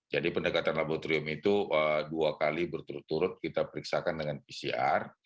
jadi pendekatan laboratorium itu dua kali berturut turut kita periksakan dengan pcr